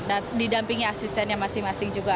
nah didampingi asistennya masing masing juga